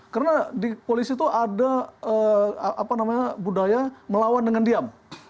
karena di polisi itu ada budaya melawan dengan diam